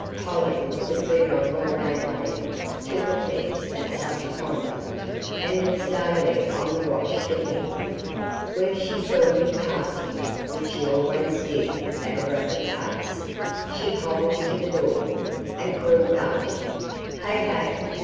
Polly, the venerable landlady, took offence at such conduct, and was daily on the watch for him. When she saw him passing, which he always did at a rapid pace, she hobbled to the door, and called after him, "Hey, hey!"